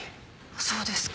そうですか。